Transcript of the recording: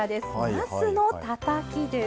なすのたたきです。